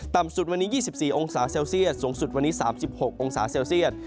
สุดวันนี้๒๔องศาเซลเซียสสูงสุดวันนี้๓๖องศาเซลเซียต